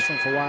di setiap dunia